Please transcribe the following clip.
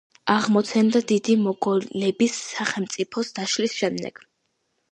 აღმოცენდა დიდი მოგოლების სახელმწიფოს დაშლის შემდეგ.